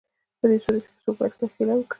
په دې صورت کې څوک باید کرکیله وکړي